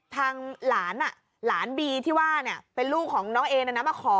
ทางหลานหลานบีที่ว่าเป็นลูกของน้องเอนะนะมาขอ